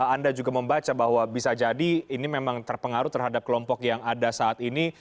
anda juga membaca bahwa bisa jadi ini memang terpengaruh terhadap kelompok yang ada saat ini